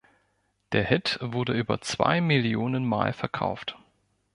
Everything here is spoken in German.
Der Hit wurde über zwei Millionen Mal verkauft.